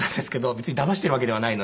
別にだましているわけではないので。